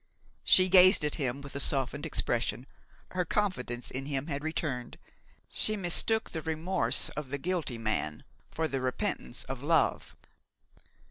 She gazed at him with a softened expression; her confidence in him had returned. She mistook the remorse of the guilty man for the repentance of love.